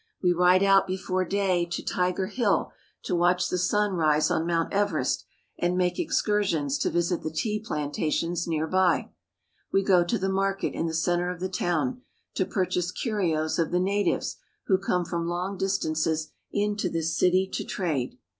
We ride out before day to Tiger Hill to watch the sun rise on Mount Everest, and make excursions to visit the tea plantations near by. We go to the market, in the center of the town, to purchase curios of the natives who come from long distances into this city to trade.